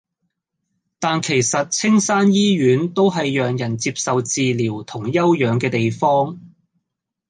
但其實青山醫院都係讓人接受治療同休養嘅地方